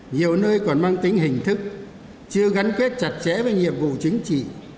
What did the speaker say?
nhiều nơi còn mang tính hình thức chưa gắn kết chặt chẽ với nhiệm vụ chính trị